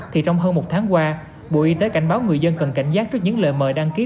thì trong hơn một tháng qua bộ y tế cảnh báo người dân cần cảnh giác trước những lời mời đăng ký